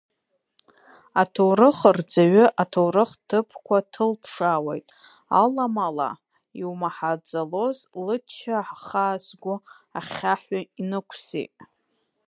Аҭоурыхрҵаҩы аҭоурых ҭыԥқәа ҭылԥшаауеит, аламала иумаҳаӡалоз лычча хаа сгәы ахьхьаҳәа инықәсит.